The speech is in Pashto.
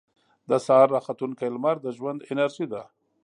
• د سهار راختونکې لمر د ژوند انرژي ده.